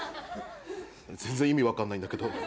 全然意味分かんないんだけど。